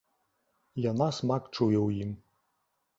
Яна смак чуе ў ім.